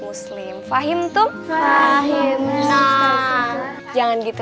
muslim fahim tum fahim nam jangan gitu